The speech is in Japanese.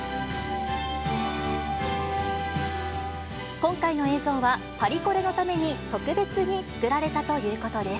今回の映像はパリコレのために特別に作られたということです。